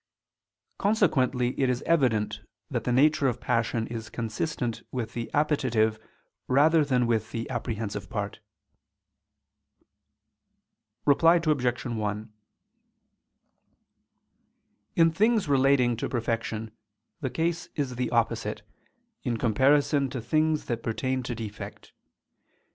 Consequently it is evident that the nature of passion is consistent with the appetitive, rather than with the apprehensive part. Reply Obj. 1: In things relating to perfection the case is the opposite, in comparison to things that pertain to defect.